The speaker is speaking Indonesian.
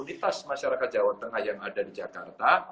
masa pemerintah jawa tengah yang ada di jakarta